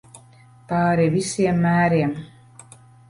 Pāri visiem mēriem.